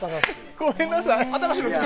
ごめんなさい。